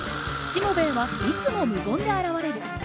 しもべえはいつも無言で現れる。